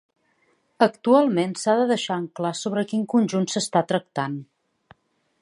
Actualment s'ha de deixar en clar sobre quin conjunt s'està tractant.